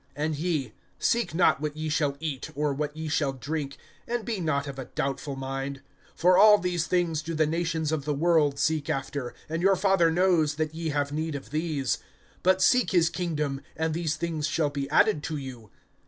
(29)And ye, seek not what ye shall eat, or what ye shall drink, and be not of a doubtful mind. (30)For all these things do the nations of the world seek after; and your Father knows that ye have need of these. (31)But seek his kingdom, and these things shall be added to you.